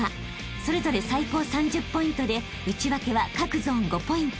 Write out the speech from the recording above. ［それぞれ最高３０ポイントで内訳は各ゾーン５ポイント］